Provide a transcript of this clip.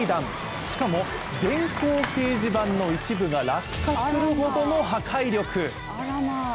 しかも電光掲示板の一部が落下するほどの破壊力。